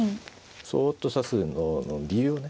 そっと指すのの理由をね。